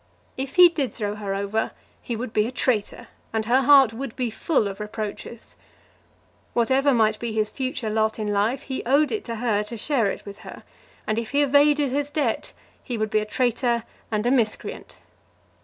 If he did throw her over he would be a traitor, and her heart would be full of reproaches. Whatever might be his future lot in life, he owed it to her to share it with her, and if he evaded his debt he would be a traitor and a miscreant.